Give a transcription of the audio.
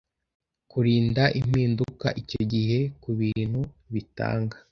Kurinda impinduka icyo gihe kubintu bitanga,